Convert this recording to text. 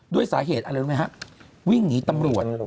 ด้วยสาเหตุอะไรรู้ไหมครับ